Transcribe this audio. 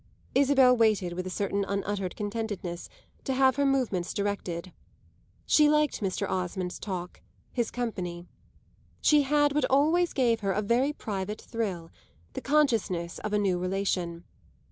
Isabel waited, with a certain unuttered contentedness, to have her movements directed; she liked Mr. Osmond's talk, his company: she had what always gave her a very private thrill, the consciousness of a new relation.